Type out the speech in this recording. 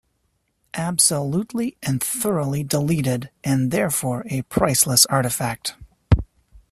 Absolutely and thoroughly deleted, and therefore a priceless artifact.